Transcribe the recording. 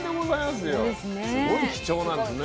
すごい貴重なんですね。